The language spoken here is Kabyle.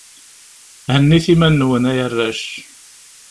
Hennit iman-nwen, ay arrac.